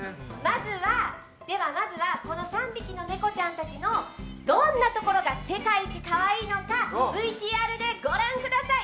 まずはこの３匹のネコちゃんたちのどんなところが世界一可愛いのかＶＴＲでご覧ください！